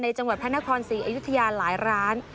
จังหวัดพระนครศรีอยุธยาหลายร้าน